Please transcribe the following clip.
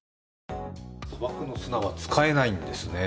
砂漠の砂は使えないんですね。